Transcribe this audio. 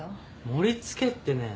盛りつけってね